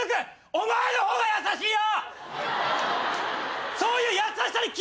お前の方が優しいよ！